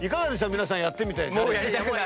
皆さんやってみて。